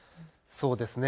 そうですね。